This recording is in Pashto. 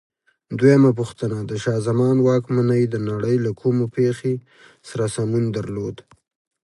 دویمه پوښتنه: د شاه زمان واکمنۍ د نړۍ له کومې پېښې سره سمون درلود؟